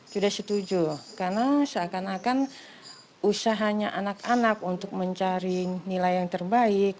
tidak setuju karena seakan akan usahanya anak anak untuk mencari nilai yang terbaik